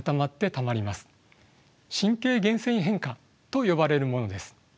神経原線維変化と呼ばれるものです。